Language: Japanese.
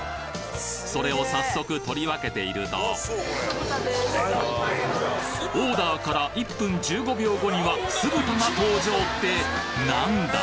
それを早速取り分けているとオーダーから１分１５秒後には酢豚が登場ってなんだ？